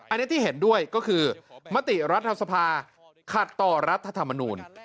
อันนี้ที่เห็นด้วยก็คือมติรัฐสภาขัดต่อรัฐธรรมนูล